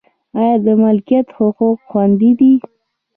آیا د ملکیت حقوق خوندي دي؟